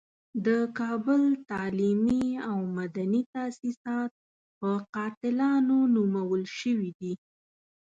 د کابل تعلیمي او مدني تاسیسات په قاتلانو نومول شوي دي.